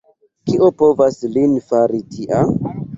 Kio povas lin fari tia?